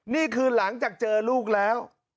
นี่คือหลังจากเจอลูกแล้ว